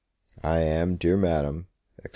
I am, Dear Madam, &c.